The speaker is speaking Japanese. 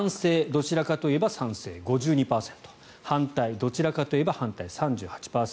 ・どちらかといえば賛成５２％反対・どちらかといえば反対３８％。